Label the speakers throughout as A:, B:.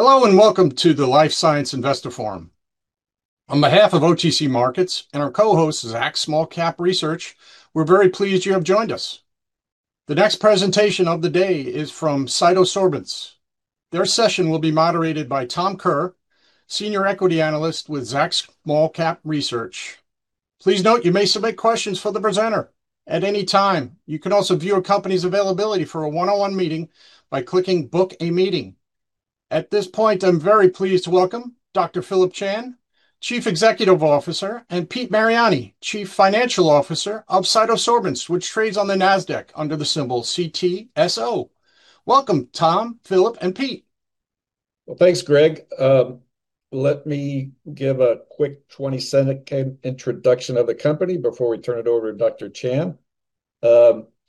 A: Hello, welcome to the Life Sciences Virtual Investor Forum. On behalf of OTC Markets and our co-host, Zacks Small Cap Research, we are very pleased you have joined us. The next presentation of the day is from CytoSorbents. Their session will be moderated by Tom Kerr, Senior Equity Analyst with Zacks Small Cap Research. Please note you may submit questions for the presenter at any time. You can also view a company's availability for a one-on-one meeting by clicking Book a Meeting. At this point, I am very pleased to welcome Dr. Phillip Chan, Chief Executive Officer, and Peter Mariani, Chief Financial Officer of CytoSorbents, which trades on the Nasdaq under the symbol CTSO. Welcome, Tom, Phillip and Peter.
B: Well, thanks, Greg. Let me give a quick 20-second introduction of the company before we turn it over to Dr. Chan.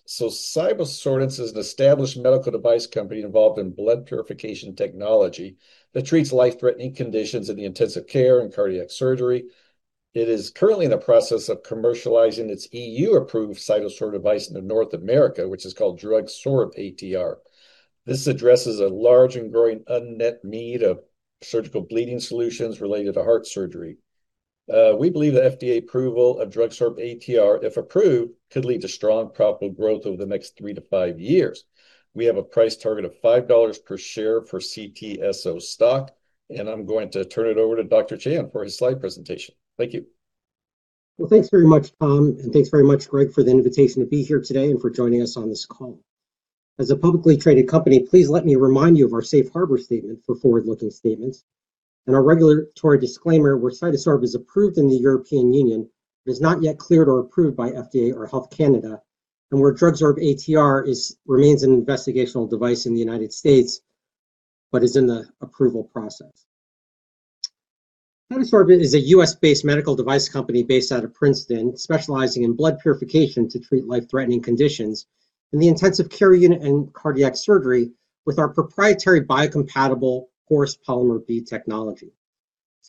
B: CytoSorbents is an established medical device company involved in blood purification technology that treats life-threatening conditions in the intensive care and cardiac surgery. It is currently in the process of commercializing its EU-approved CytoSorb device in North America, which is called DrugSorb-ATR. This addresses a large and growing unmet need of surgical bleeding solutions related to heart surgery. We believe the FDA approval of DrugSorb-ATR, if approved, could lead to strong profitable growth over the next three-five years. We have a price target of $5 per share for CTSO stock, I am going to turn it over to Dr. Chan for his slide presentation. Thank you.
C: Well, thanks very much, Tom, thanks very much, Greg, for the invitation to be here today and for joining us on this call. As a publicly traded company, please let me remind you of our Safe Harbor statement for forward-looking statements and our regulatory disclaimer where CytoSorb is approved in the European Union, but is not yet cleared or approved by FDA or Health Canada, DrugSorb-ATR remains an investigational device in the U.S., but is in the approval process. CytoSorbents is a U.S.-based medical device company based out of Princeton, specializing in blood purification to treat life-threatening conditions in the intensive care unit and cardiac surgery with our proprietary biocompatible porous polymer bead technology.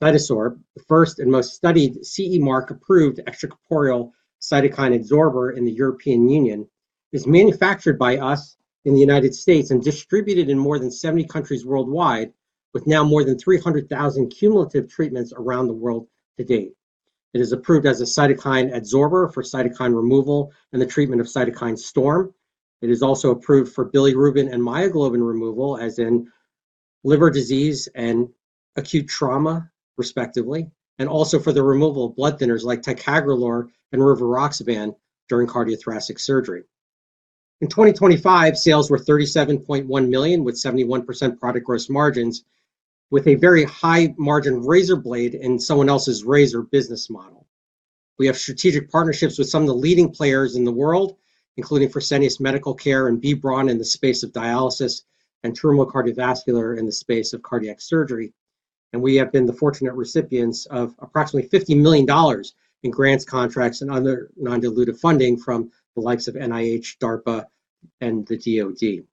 C: CytoSorb, the first and most studied CE mark approved extracorporeal cytokine absorber in the European Union, is manufactured by us in the U.S. and distributed in more than 70 countries worldwide, with now more than 300,000 cumulative treatments around the world to date. It is approved as a cytokine absorber for cytokine removal and the treatment of cytokine storm. It is also approved for bilirubin and myoglobin removal, as in liver disease and acute trauma respectively, for the removal of blood thinners like ticagrelor and rivaroxaban during cardiothoracic surgery. In 2025, sales were $37.1 million, with 71% product gross margins, with a very high margin razor blade in someone else's razor business model. We have strategic partnerships with some of the leading players in the world, including Fresenius Medical Care and B. Braun in the space of dialysis, Terumo Cardiovascular in the space of cardiac surgery. We have been the fortunate recipients of approximately $50 million in grants, contracts, and other non-dilutive funding from the likes of NIH, DARPA, and the DoD.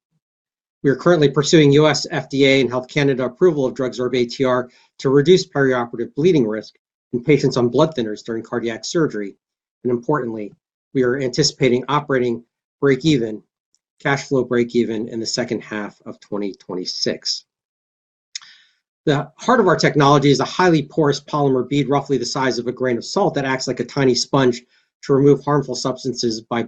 C: We are currently pursuing FDA and Health Canada approval of DrugSorb-ATR to reduce perioperative bleeding risk in patients on blood thinners during cardiac surgery. Importantly, we are anticipating operating break even, cash flow break even in the second half of 2026. The heart of our technology is a highly porous polymer bead, roughly the size of a grain of salt, that acts like a tiny sponge to remove harmful substances from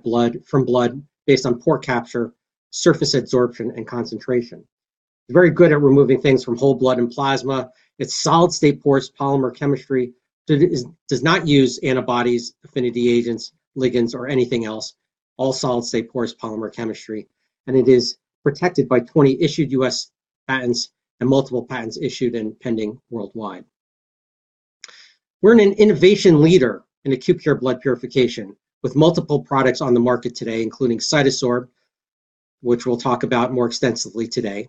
C: blood based on pore capture, surface adsorption, and concentration. It's very good at removing things from whole blood and plasma. Its solid-state porous polymer chemistry does not use antibodies, affinity agents, ligands, or anything else. All solid-state porous polymer chemistry. It is protected by 20 issued U.S. patents and multiple patents issued and pending worldwide. We're an innovation leader in acute care blood purification with multiple products on the market today, including CytoSorb, which we'll talk about more extensively today.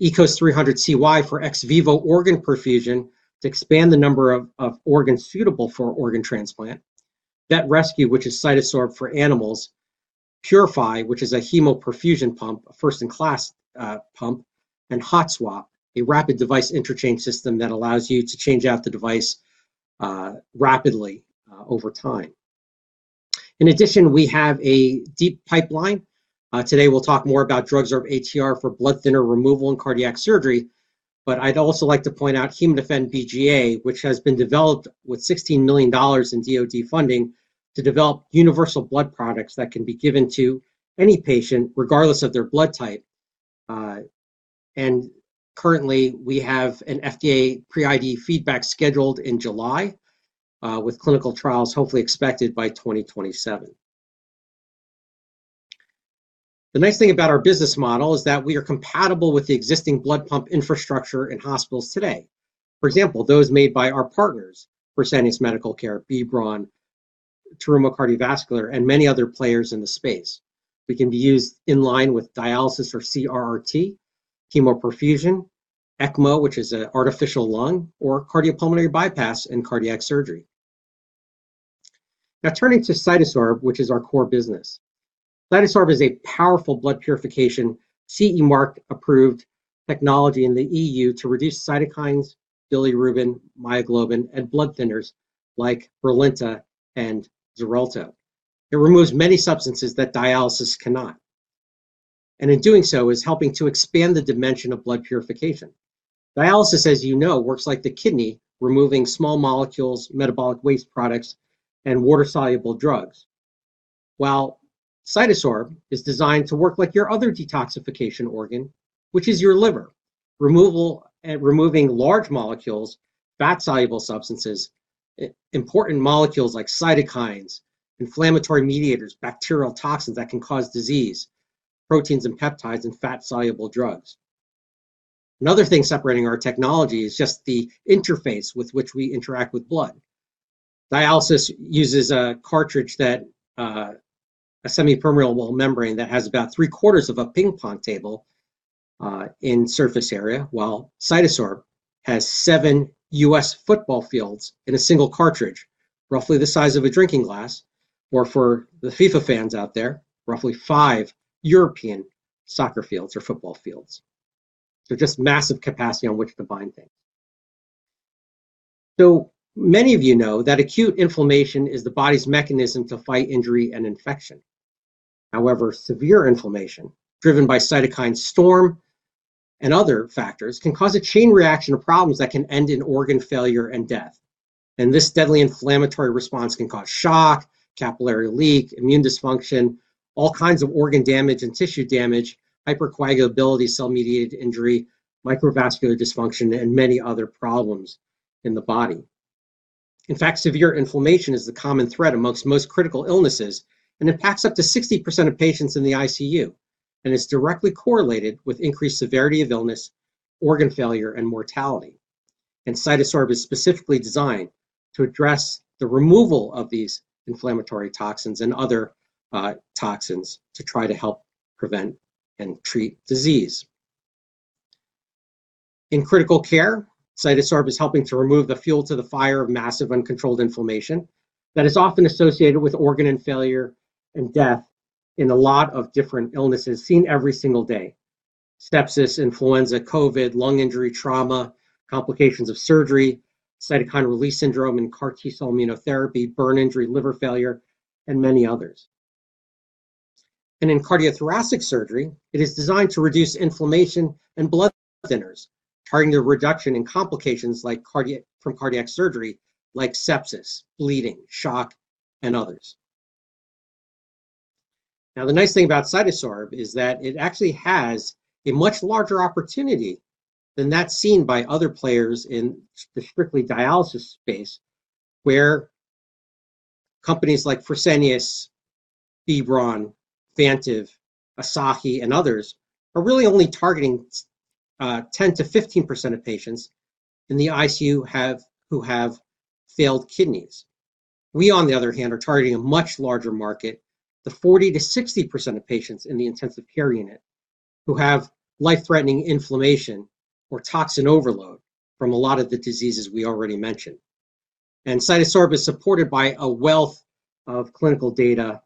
C: ECOS-300CY for ex vivo organ perfusion to expand the number of organs suitable for organ transplant. VetResQ, which is CytoSorb for animals. PuriFi, which is a hemoperfusion pump, a first-in-class pump. HotSwap, a rapid device interchange system that allows you to change out the device rapidly over time. In addition, we have a deep pipeline. Today, we'll talk more about DrugSorb-ATR for blood thinner removal and cardiac surgery. I'd also like to point out HemoDefend-BGA, which has been developed with $16 million in DoD funding to develop universal blood products that can be given to any patient, regardless of their blood type. Currently, we have an FDA pre-IDE feedback scheduled in July, with clinical trials hopefully expected by 2027. The nice thing about our business model is that we are compatible with the existing blood pump infrastructure in hospitals today. For example, those made by our partners, Fresenius Medical Care, B. Braun, Terumo Cardiovascular, and many other players in the space. We can be used in line with dialysis or CRRT, hemoperfusion, ECMO, which is an artificial lung, or cardiopulmonary bypass in cardiac surgery. Turning to CytoSorb, which is our core business. CytoSorb is a powerful blood purification CE mark approved technology in the EU to reduce cytokines, bilirubin, myoglobin, and blood thinners like ELIQUIS and XARELTO. It removes many substances that dialysis cannot. In doing so, is helping to expand the dimension of blood purification. Dialysis, as you know, works like the kidney, removing small molecules, metabolic waste products, and water-soluble drugs, while CytoSorb is designed to work like your other detoxification organ, which is your liver, removing large molecules, fat-soluble substances, important molecules like cytokines, inflammatory mediators, bacterial toxins that can cause disease, proteins and peptides, and fat-soluble drugs. Another thing separating our technology is just the interface with which we interact with blood. Dialysis uses a cartridge that, a semipermeable membrane that has about three-quarters of a ping pong table in surface area, while CytoSorb has seven U.S. football fields in a single cartridge, roughly the size of a drinking glass, or for the FIFA fans out there, roughly five European soccer fields or football fields. Just massive capacity on which to bind things. Many of you know that acute inflammation is the body's mechanism to fight injury and infection. However, severe inflammation, driven by cytokine storm and other factors, can cause a chain reaction of problems that can end in organ failure and death. This deadly inflammatory response can cause shock, capillary leak, immune dysfunction, all kinds of organ damage and tissue damage, hypercoagulability, cell mediated injury, microvascular dysfunction, and many other problems in the body. In fact, severe inflammation is the common thread amongst most critical illnesses, it packs up to 60% of patients in the ICU and is directly correlated with increased severity of illness, organ failure, and mortality. CytoSorb is specifically designed to address the removal of these inflammatory toxins and other toxins to try to help prevent and treat disease. In critical care, CytoSorb is helping to remove the fuel to the fire of massive uncontrolled inflammation that is often associated with organ failure and death in a lot of different illnesses seen every single day: sepsis, influenza, COVID, lung injury, trauma, complications of surgery, cytokine release syndrome and CAR T-cell immunotherapy, burn injury, liver failure, and many others. In cardiothoracic surgery, it is designed to reduce inflammation and blood thinners, targeting a reduction in complications from cardiac surgery like sepsis, bleeding, shock, and others. Now, the nice thing about CytoSorb is that it actually has a much larger opportunity than that seen by other players in the strictly dialysis space, where companies like Fresenius, B. Braun, Baxter, Asahi, and others are really only targeting 10%-15% of patients in the ICU who have failed kidneys. We, on the other hand, are targeting a much larger market, the 40%-60% of patients in the intensive care unit who have life-threatening inflammation or toxin overload from a lot of the diseases we already mentioned. CytoSorb is supported by a wealth of clinical data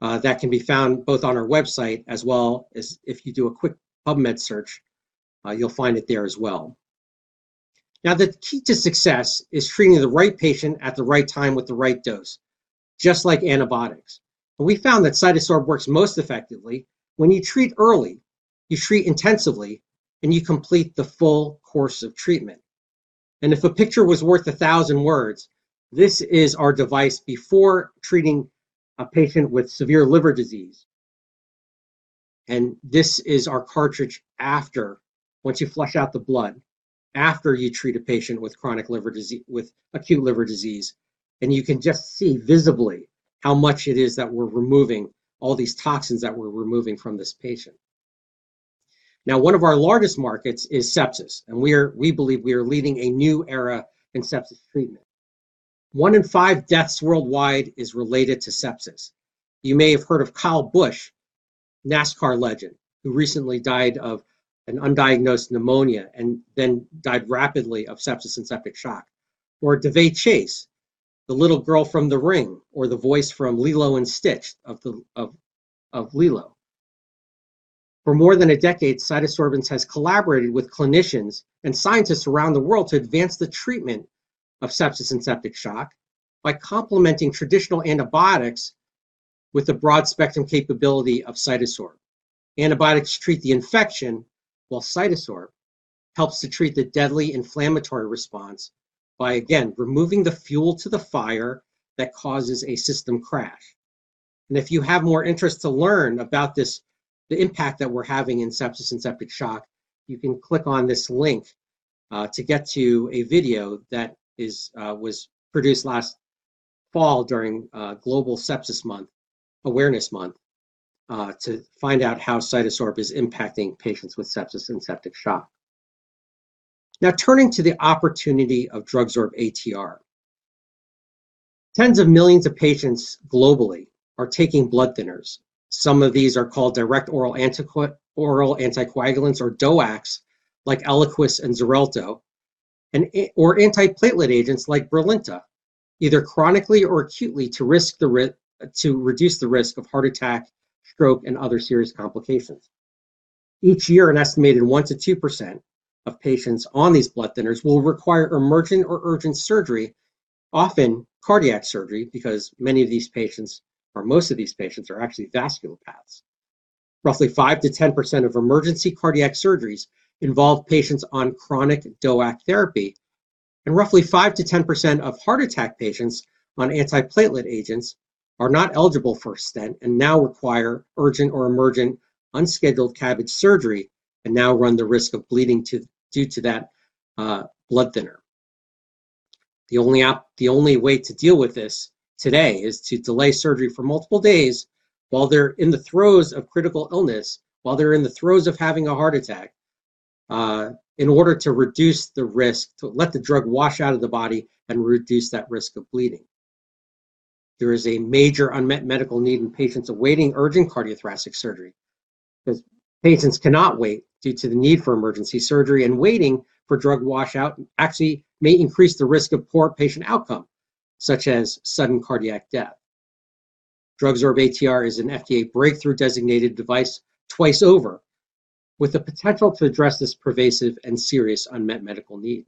C: that can be found both on our website as well as if you do a quick PubMed search, you'll find it there as well. Now, the key to success is treating the right patient at the right time with the right dose, just like antibiotics. We found that CytoSorb works most effectively when you treat early, you treat intensively, and you complete the full course of treatment. If a picture was worth 1,000 words, this is our device before treating a patient with severe liver disease. This is our cartridge after, once you flush out the blood, after you treat a patient with acute liver disease, you can just see visibly how much it is that we're removing, all these toxins that we're removing from this patient. Now, one of our largest markets is sepsis, we believe we are leading a new era in sepsis treatment. One in five deaths worldwide is related to sepsis. You may have heard of Kyle Busch, NASCAR legend, who recently died of an undiagnosed pneumonia and then died rapidly of sepsis and septic shock. Or Daveigh Chase, the little girl from "The Ring" or the voice from "Lilo & Stitch" of Lilo. For more than a decade, CytoSorbents has collaborated with clinicians and scientists around the world to advance the treatment of sepsis and septic shock by complementing traditional antibiotics with the broad-spectrum capability of CytoSorb. Antibiotics treat the infection, while CytoSorb helps to treat the deadly inflammatory response by, again, removing the fuel to the fire that causes a system crash. If you have more interest to learn about the impact that we're having in sepsis and septic shock, you can click on this link to get to a video that was produced last fall during Global Sepsis Awareness Month, to find out how CytoSorb is impacting patients with sepsis and septic shock. Turning to the opportunity of DrugSorb-ATR. Tens of millions of patients globally are taking blood thinners. Some of these are called direct oral anticoagulants, or DOACs, like ELIQUIS and XARELTO, or antiplatelet agents like BRILINTA, either chronically or acutely to reduce the risk of heart attack, stroke, and other serious complications. Each year, an estimated one percent-two percent of patients on these blood thinners will require emergent or urgent surgery, often cardiac surgery, because many of these patients, or most of these patients, are actually vasculopaths. Roughly 5%-10% of emergency cardiac surgeries involve patients on chronic DOAC therapy, roughly 5%-10% of heart attack patients on antiplatelet agents are not eligible for a stent and now require urgent or emergent unscheduled CABG surgery and now run the risk of bleeding due to that blood thinner. The only way to deal with this today is to delay surgery for multiple days while they're in the throes of critical illness, while they're in the throes of having a heart attack, in order to reduce the risk, to let the drug wash out of the body and reduce that risk of bleeding. There is a major unmet medical need in patients awaiting urgent cardiothoracic surgery because patients cannot wait due to the need for emergency surgery. Waiting for drug washout actually may increase the risk of poor patient outcome, such as sudden cardiac death. DrugSorb-ATR is an FDA breakthrough-designated device twice over, with the potential to address this pervasive and serious unmet medical need.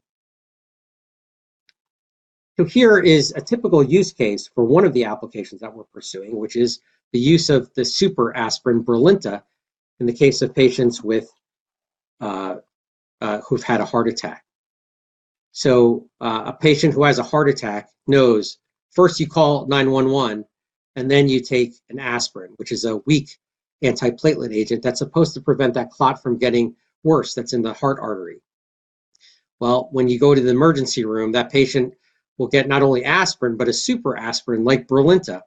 C: Here is a typical use case for one of the applications that we're pursuing, which is the use of the super aspirin, BRILINTA, in the case of patients who've had a heart attack. A patient who has a heart attack knows, first you call 911, and then you take an aspirin, which is a weak antiplatelet agent that's supposed to prevent that clot from getting worse that's in the heart artery. When you go to the emergency room, that patient will get not only aspirin, but a super aspirin like BRILINTA.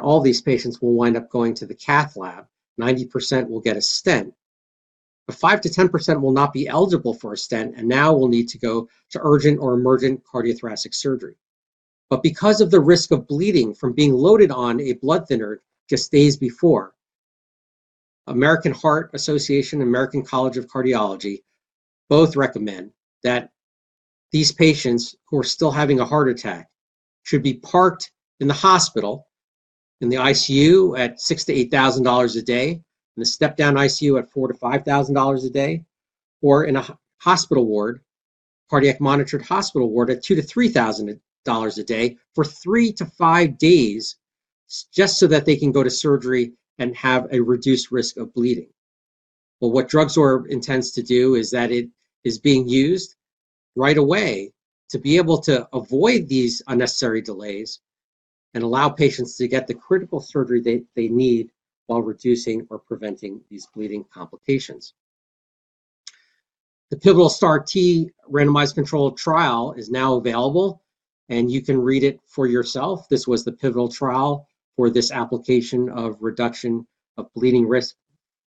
C: All these patients will wind up going to the cath lab. 90% will get a stent, 5%-10% will not be eligible for a stent and now will need to go to urgent or emergent cardiothoracic surgery. Because of the risk of bleeding from being loaded on a blood thinner just days before, American Heart Association and American College of Cardiology both recommend that these patients who are still having a heart attack should be parked in the hospital in the ICU at $6,000-$8,000 a day, in a step-down ICU at $4,000-$5,000 a day, or in a hospital ward, cardiac monitored hospital ward at $2,000-$3,000 a day for three to five days just so that they can go to surgery and have a reduced risk of bleeding. What DrugSorb intends to do is that it is being used right away to be able to avoid these unnecessary delays and allow patients to get the critical surgery they need while reducing or preventing these bleeding complications. The Pivotal STAR-T randomized control trial is now available, you can read it for yourself. This was the pivotal trial for this application of reduction of bleeding risk,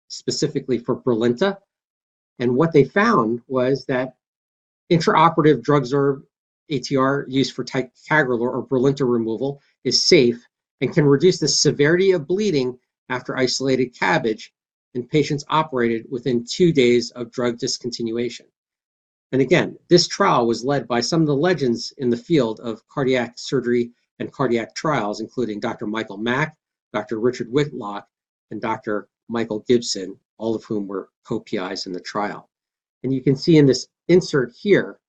C: specifically for BRILINTA. What they found was that intraoperative DrugSorb-ATR used for ticagrelor or BRILINTA removal is safe and can reduce the severity of bleeding after isolated CABG in patients operated within two days of drug discontinuation. Again, this trial was led by some of the legends in the field of cardiac surgery and cardiac trials, including Dr. Michael Mack, Dr. Richard Whitlock, and Dr. Michael Gibson, all of whom were co-PIs in the trial. You can see in this insert here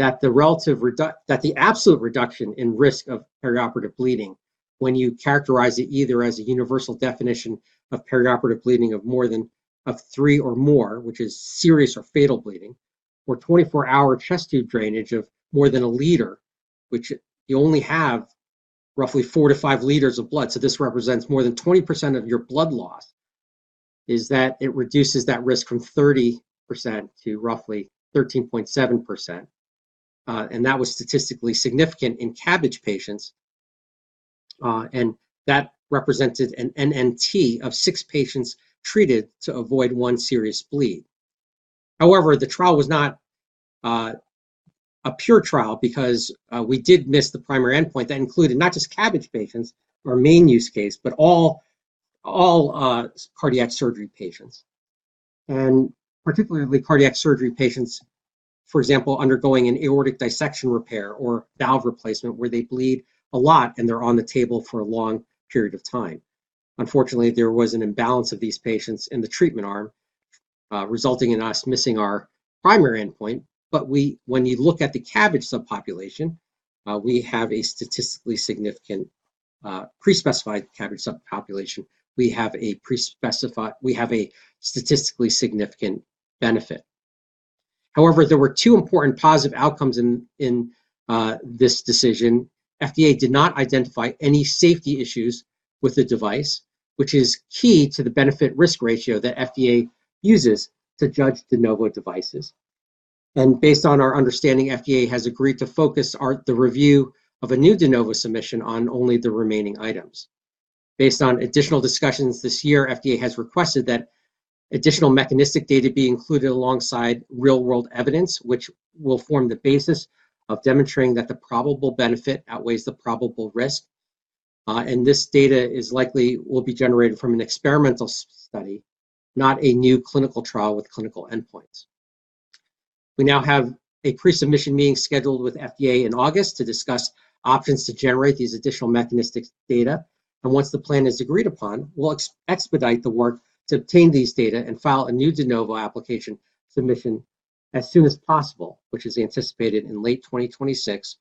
C: that the absolute reduction in risk of perioperative bleeding when you characterize it either as a universal definition of perioperative bleeding of three or more, which is serious or fatal bleeding, or 24-hour chest tube drainage of more than a liter, which you only have roughly four to five liters of blood, so this represents more than 20% of your blood loss, is that it reduces that risk from 30% to roughly 13.7%. That was statistically significant in CABG patients, and that represented an NNT of six patients treated to avoid one serious bleed. However, the trial was not a pure trial because we did miss the primary endpoint. That included not just CABG patients, our main use case, all cardiac surgery patients, particularly cardiac surgery patients, for example, undergoing an aortic dissection repair or valve replacement where they bleed a lot and they're on the table for a long period of time. Unfortunately, there was an imbalance of these patients in the treatment arm, resulting in us missing our primary endpoint. When you look at the CABG subpopulation, we have a statistically significant pre-specified CABG subpopulation. We have a statistically significant benefit. However, there were two important positive outcomes in this decision. FDA did not identify any safety issues with the device, which is key to the benefit/risk ratio that FDA uses to judge De Novo devices. Based on our understanding, FDA has agreed to focus the review of a new De Novo submission on only the remaining items. Based on additional discussions this year, FDA has requested that additional mechanistic data be included alongside real-world evidence, which will form the basis of demonstrating that the probable benefit outweighs the probable risk. This data likely will be generated from an experimental study, not a new clinical trial with clinical endpoints. We now have a pre-submission meeting scheduled with FDA in August to discuss options to generate these additional mechanistic data. Once the plan is agreed upon, we'll expedite the work to obtain these data and file a new De Novo application submission as soon as possible, which is anticipated in late 2026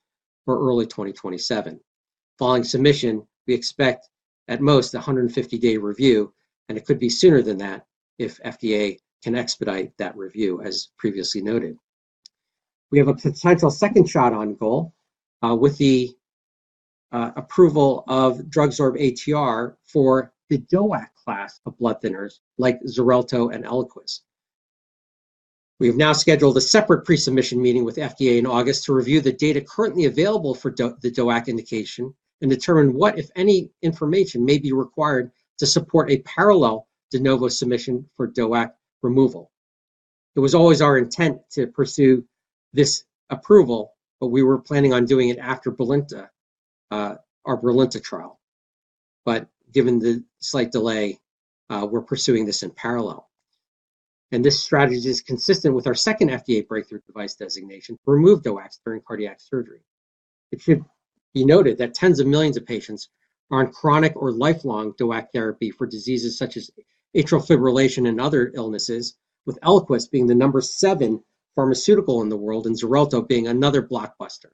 C: or early 2027. Following submission, we expect at most a 150-day review, and it could be sooner than that if FDA can expedite that review, as previously noted. We have a potential second shot on goal, with the approval of DrugSorb-ATR for the DOAC class of blood thinners like XARELTO and ELIQUIS. We have now scheduled a separate pre-submission meeting with FDA in August to review the data currently available for the DOAC indication and determine what, if any, information may be required to support a parallel De Novo submission for DOAC removal. It was always our intent to pursue this approval, but we were planning on doing it after our BRILINTA trial. Given the slight delay, we're pursuing this in parallel. This strategy is consistent with our second FDA Breakthrough Device Designation to remove DOACs during cardiac surgery. It should be noted that tens of millions of patients are on chronic or lifelong DOAC therapy for diseases such as atrial fibrillation and other illnesses, with ELIQUIS being the number seven pharmaceutical in the world and XARELTO being another blockbuster.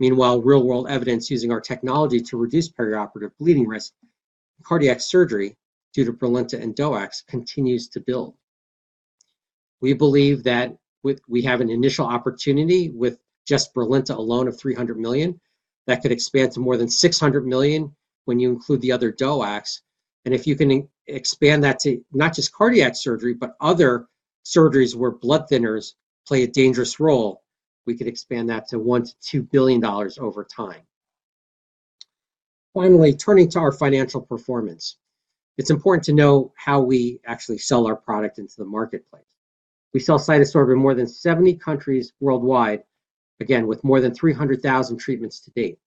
C: Meanwhile, real-world evidence using our technology to reduce perioperative bleeding risk in cardiac surgery due to BRILINTA and DOACs continues to build. We believe that we have an initial opportunity with just BRILINTA alone of $300 million. That could expand to more than $600 million when you include the other DOACs. If you can expand that to not just cardiac surgery, but other surgeries where blood thinners play a dangerous role, we could expand that to $1 billion-$2 billion over time. Finally, turning to our financial performance. It's important to know how we actually sell our product into the marketplace. We sell CytoSorbents in more than 70 countries worldwide, again, with more than 300,000 treatments to date.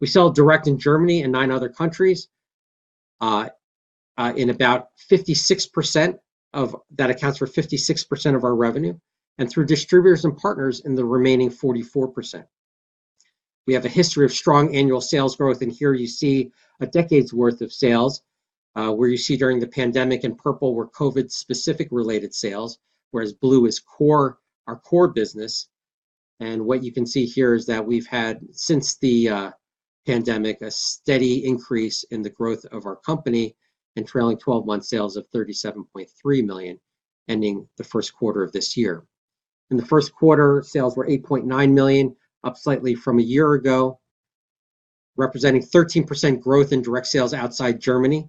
C: We sell direct in Germany and nine other countries. That accounts for 56% of our revenue, and through distributors and partners in the remaining 44%. We have a history of strong annual sales growth, and here you see a decade's worth of sales, where you see during the pandemic in purple were COVID-specific related sales, whereas blue is our core business. What you can see here is that we've had, since the pandemic, a steady increase in the growth of our company and trailing 12-month sales of $37.3 million ending the Q1 of this year. In the Q1, sales were $8.9 million, up slightly from a year ago, representing 13% growth in direct sales outside Germany.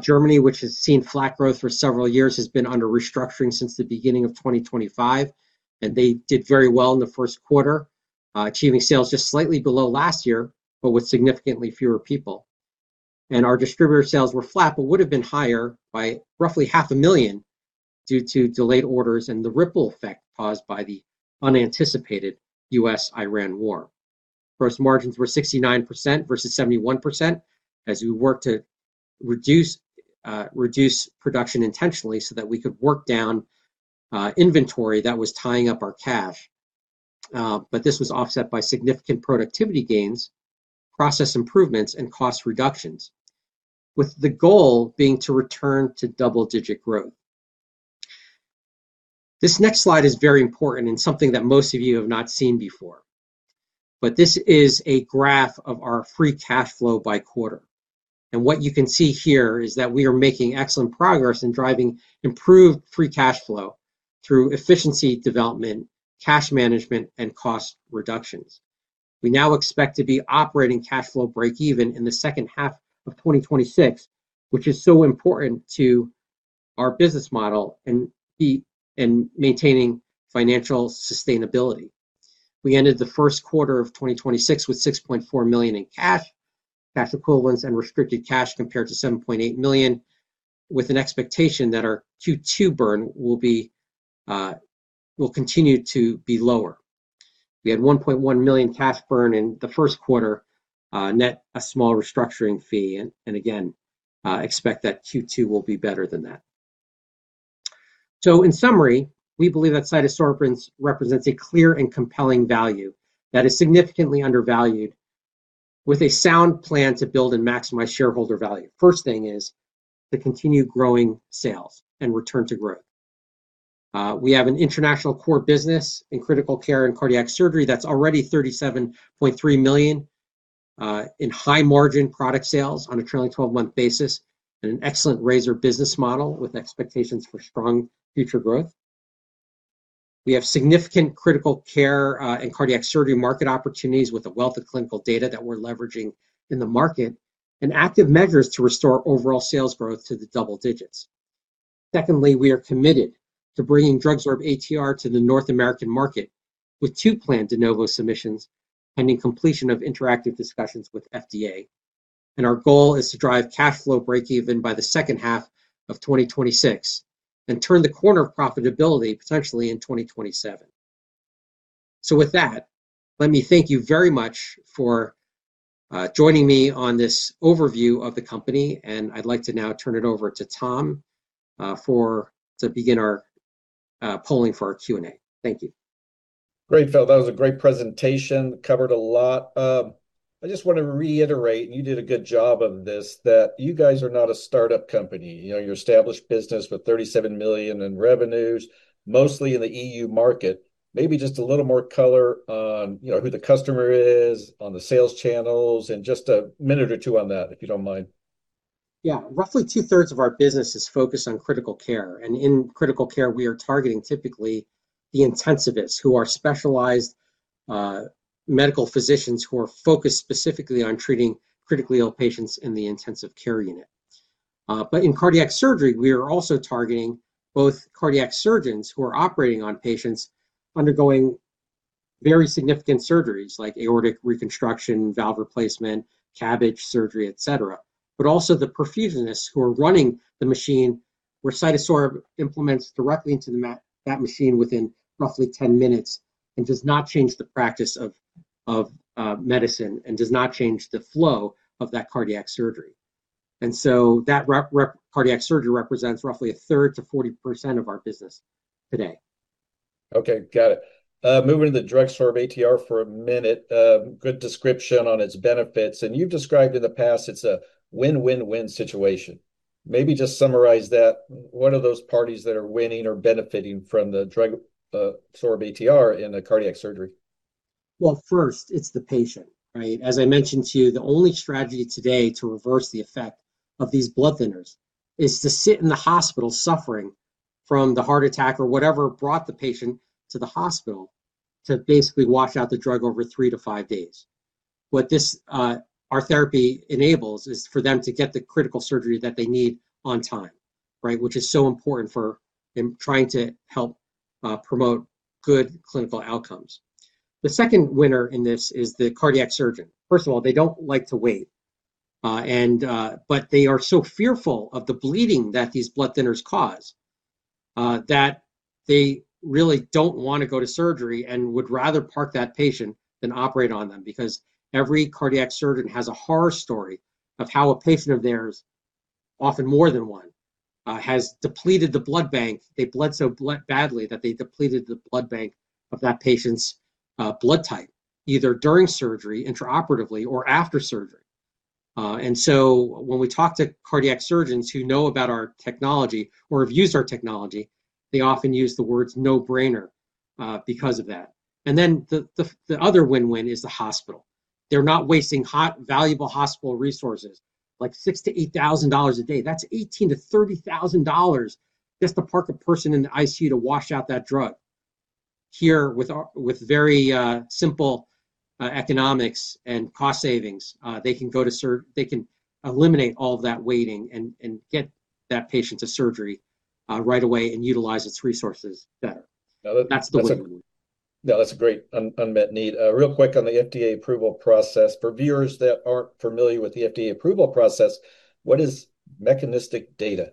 C: Germany, which has seen flat growth for several years, has been under restructuring since the beginning of 2025, they did very well in the Q1, achieving sales just slightly below last year, but with significantly fewer people. Our distributor sales were flat, but would have been higher by roughly half a million due to delayed orders and the ripple effect caused by the unanticipated U.S.-Iran war. Gross margins were 69% versus 71% as we worked to reduce production intentionally so that we could work down inventory that was tying up our cash. This was offset by significant productivity gains, process improvements, and cost reductions, with the goal being to return to double-digit growth. This next slide is very important and something that most of you have not seen before. This is a graph of our free cash flow by quarter. What you can see here is that we are making excellent progress in driving improved free cash flow through efficiency development, cash management, and cost reductions. We now expect to be operating cash flow breakeven in the second half of 2026, which is so important to our business model and maintaining financial sustainability. We ended the Q1 of 2026 with $6.4 million in cash equivalents, and restricted cash compared to $7.8 million, with an expectation that our Q2 burn will continue to be lower. We had $1.1 million cash burn in the Q1, net a small restructuring fee, and again, expect that Q2 will be better than that. In summary, we believe that CytoSorbents represents a clear and compelling value that is significantly undervalued with a sound plan to build and maximize shareholder value. First thing is to continue growing sales and return to growth. We have an international core business in critical care and cardiac surgery that's already $37.3 million in high-margin product sales on a trailing 12-month basis and an excellent razor business model with expectations for strong future growth. We have significant critical care and cardiac surgery market opportunities with a wealth of clinical data that we're leveraging in the market and active measures to restore overall sales growth to the double digits. Secondly, we are committed to bringing DrugSorb-ATR to the North American market with two planned De Novo submissions pending completion of interactive discussions with FDA. Our goal is to drive cash flow breakeven by the second half of 2026 and turn the corner of profitability potentially in 2027. With that, let me thank you very much for joining me on this overview of the company, and I'd like to now turn it over to Tom to begin our polling for our Q&A. Thank you.
B: Great, Philip. That was a great presentation, covered a lot. I just want to reiterate, and you did a good job of this, that you're not a startup company. You're an established business with $37 million in revenues, mostly in the EU market. Maybe just a little more color on who the customer is, on the sales channels, and just a minute or two on that, if you don't mind.
C: Yeah. Roughly two-thirds of our business is focused on critical care. In critical care, we are targeting typically the intensivists, who are specialized medical physicians who are focused specifically on treating critically ill patients in the intensive care unit. In cardiac surgery, we are also targeting both cardiac surgeons who are operating on patients undergoing very significant surgeries, like aortic reconstruction, valve replacement, CABG surgery, et cetera. Also the perfusionists who are running the machine, where CytoSorb implements directly into that machine within roughly 10 minutes and does not change the practice of medicine and does not change the flow of that cardiac surgery. That cardiac surgery represents roughly a third to 40% of our business today.
B: Okay, got it. Moving to the DrugSorb-ATR for a minute. Good description on its benefits, and you've described in the past it's a win-win-win situation. Maybe just summarize that. What are those parties that are winning or benefiting from the DrugSorb-ATR in a cardiac surgery?
C: Well, first, it's the patient, right? As I mentioned to you, the only strategy today to reverse the effect of these blood thinners is to sit in the hospital suffering from the heart attack or whatever brought the patient to the hospital to basically wash out the drug over three to five days. What our therapy enables is for them to get the critical surgery that they need on time, right? Which is so important for trying to help promote good clinical outcomes. The second winner in this is the cardiac surgeon. First of all, they don't like to wait, but they are so fearful of the bleeding that these blood thinners cause that they really don't want to go to surgery and would rather park that patient than operate on them. Every cardiac surgeon has a horror story of how a patient of theirs, often more than one, has depleted the blood bank. They bled so badly that they depleted the blood bank of that patient's blood type, either during surgery, intraoperatively, or after surgery. When we talk to cardiac surgeons who know about our technology or have used our technology, they often use the words "no-brainer" because of that. The other win-win is the hospital. They're not wasting valuable hospital resources, like $6,000-$8,000 a day. That's $18,000-$30,000 just to park a person in the ICU to wash out that drug. Here, with very simple economics and cost savings, they can eliminate all of that waiting and get that patient to surgery right away and utilize its resources better. That's the win-win.
B: That's a great unmet need. Real quick on the FDA approval process. For viewers that aren't familiar with the FDA approval process, what is mechanistic data?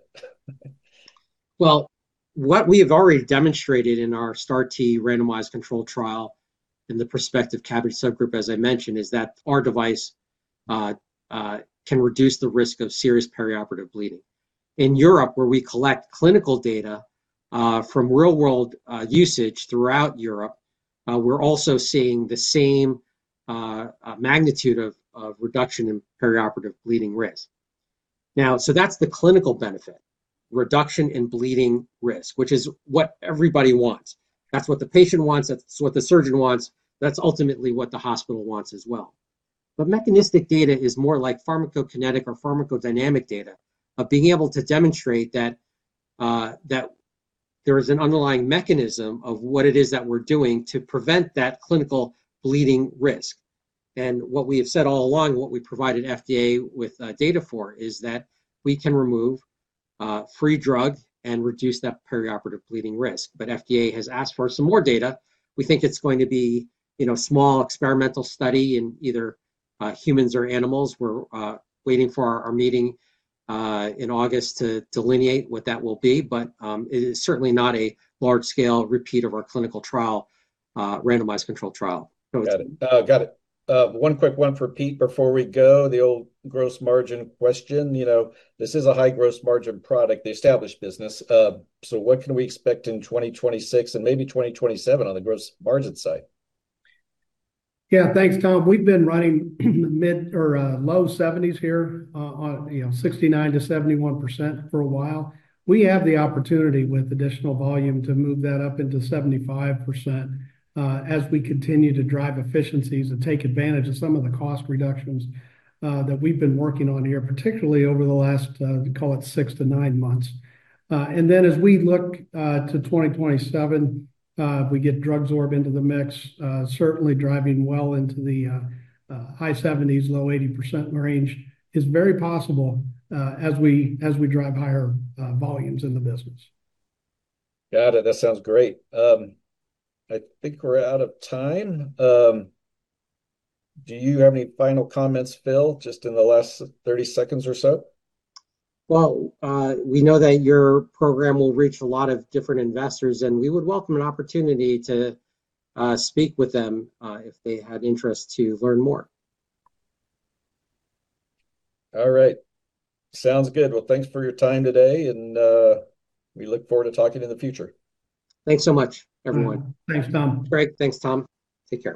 C: What we have already demonstrated in our STAR-T randomized control trial in the prospective CABG subgroup, as I mentioned, is that our device can reduce the risk of serious perioperative bleeding. In Europe, where we collect clinical data from real-world usage throughout Europe, we're also seeing the same magnitude of reduction in perioperative bleeding risk. That's the clinical benefit, reduction in bleeding risk, which is what everybody wants. That's what the patient wants, that's what the surgeon wants. That's ultimately what the hospital wants as well. Mechanistic data is more like pharmacokinetic or pharmacodynamic data of being able to demonstrate that there is an underlying mechanism of what it is that we're doing to prevent that clinical bleeding risk. What we have said all along, what we provided FDA with data for, is that we can remove free drug and reduce that perioperative bleeding risk. FDA has asked for some more data. We think it's going to be a small experimental study in either humans or animals. We're waiting for our meeting in August to delineate what that will be, but it is certainly not a large-scale repeat of our clinical trial, randomized controlled trial.
B: Got it. One quick one for Pete before we go, the old gross margin question. This is a high gross margin product, the established business. What can we expect in 2026 and maybe 2027 on the gross margin side?
D: Yeah. Thanks, Tom. We've been running mid or low 70s here, 69%-71% for a while. We have the opportunity with additional volume to move that up into 75% as we continue to drive efficiencies and take advantage of some of the cost reductions that we've been working on here, particularly over the last, call it six - nine months. As we look to 2027, if we get DrugSorb into the mix, certainly driving well into the high 70s, low 80% range is very possible as we drive higher volumes in the business.
B: Got it. That sounds great. I think we're out of time. Do you have any final comments, Philip, just in the last 30 seconds or so?
C: We know that your program will reach a lot of different investors, and we would welcome an opportunity to speak with them, if they had interest to learn more.
B: All right. Sounds good. Well, thanks for your time today, and we look forward to talking in the future.
C: Thanks so much, everyone.
D: Thanks, Tom.
C: Great. Thanks, Tom. Take care